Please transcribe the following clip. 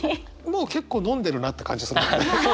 もう結構飲んでるなって感じするもんね。